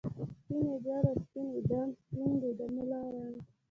سپین یی جال او سپین یی دام ، سپین دی د ملا رنګ